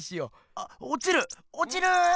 あっおちるおちる！